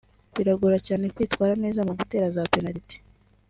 biragora cyane kwitwara neza mu gutera za penaliti